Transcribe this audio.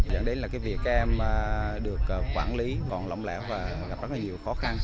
dẫn đến việc các em được quản lý còn lỏng lẽo và gặp rất nhiều khó khăn